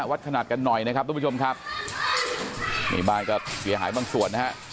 วัดขนาดกันหน่อยนะครับทุกผู้ชมครับนี่บ้านก็เสียหายบางส่วนนะฮะ